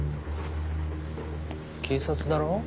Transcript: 警察だろ？